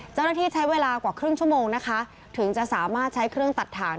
ใช้เวลากว่าครึ่งชั่วโมงนะคะถึงจะสามารถใช้เครื่องตัดถ่าง